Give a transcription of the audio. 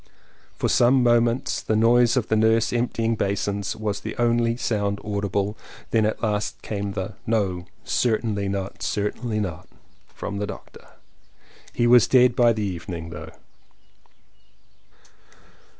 For some moments the noise of the nurse emptying basins was the only sound audible. Then at last came the "No, certainly not, certainly not!" from the doctor. He was dead by the evening though.